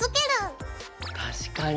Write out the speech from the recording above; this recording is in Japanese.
確かに。